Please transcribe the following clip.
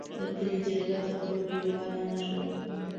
د کلي جرګه د خلکو د یووالي نښه ده.